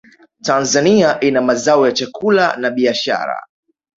tanzania ina mazao ya chakula na biashara